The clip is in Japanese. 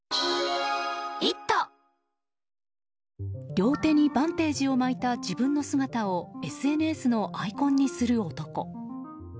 両手にバンテージを巻いた自分の姿をＳＮＳのアイコンにする男。